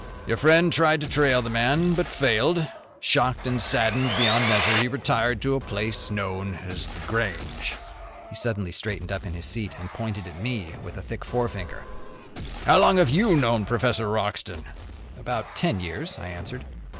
Your friend tried to trail the man, but failed. Shocked and saddened beyond measure, he retired to a place known as The Grange." He suddenly straightened up in his seat, and pointed at me a thick forefinger. "How long have you known Professor Wroxton?" "About ten years," I answered.